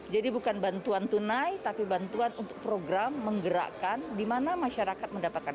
jadi bukan bantuan tunai tapi bantuan untuk program menggerakkan di mana masyarakat mendapatkan